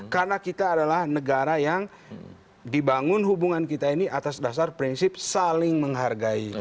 karena kita adalah negara yang dibangun hubungan kita ini atas dasar prinsip saling menghargai